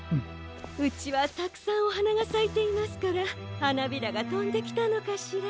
うちはたくさんおはながさいていますからはなびらがとんできたのかしら。